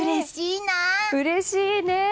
うれしいね！